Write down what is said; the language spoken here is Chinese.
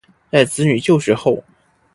在子女就学后